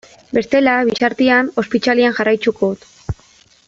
Bestela, bitartean, ospitalean jarraituko dut.